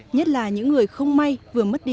nhất là những người không may vừa mất đi